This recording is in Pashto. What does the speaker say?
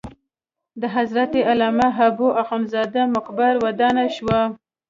د حضرت علامه حبو اخند زاده مقبره ودانه شوه.